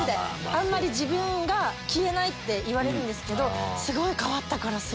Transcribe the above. あんまり自分が消えないって言われるんですけどすごい変わったから。